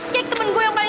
selamat siang mbak